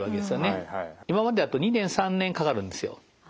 今までだと２年３年かかるんですよ。